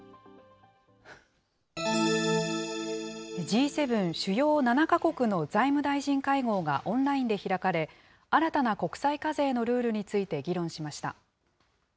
Ｇ７・主要７か国の財務大臣会合がオンラインで開かれ、新たな国際課税のルールについて議論しました。